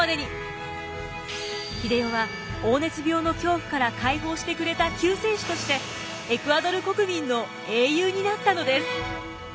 英世は黄熱病の恐怖から解放してくれた救世主としてエクアドル国民の英雄になったのです。